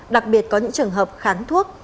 đặc biệt có những trường hợp kháng thuốc